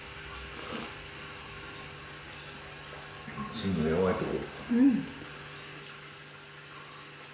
芯のやわいとこ。